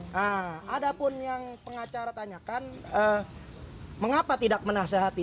nah ada pun yang pengacara tanyakan mengapa tidak menasehati